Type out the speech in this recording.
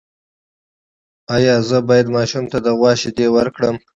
ایا زه باید ماشوم ته د غوا شیدې ورکړم؟